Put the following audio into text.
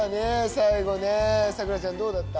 最後ねさくらちゃんどうだった？